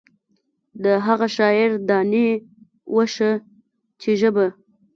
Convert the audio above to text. د هغه شاعر دانې وشه په ژبه.